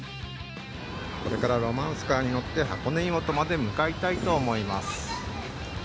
これからロマンスカーに乗って箱根湯本まで向かいたいと思います。